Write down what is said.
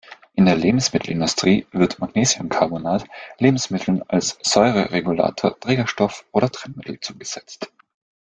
In der Lebensmittelindustrie wird Magnesiumcarbonat Lebensmitteln als Säureregulator, Trägerstoff oder Trennmittel zugesetzt.